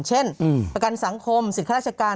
เช่นประกันสังคมสิทธิราชการ